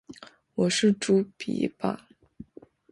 我是猪鼻吧